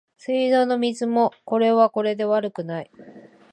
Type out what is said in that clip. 水道の水もこれはこれで悪くない